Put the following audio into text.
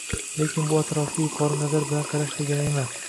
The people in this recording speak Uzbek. Lekin bu atrofga yuqori nazar bilan qarash degani emas